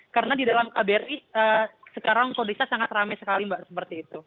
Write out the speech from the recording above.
karena di dalam kbri sekarang kondisi sangat ramai sekali mbak seperti itu